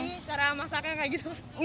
ini cara masaknya kayak gitu